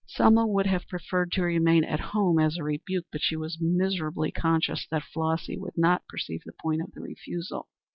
Selma would have preferred to remain at home as a rebuke, but she was miserably conscious that Flossy would not perceive the point of the refusal.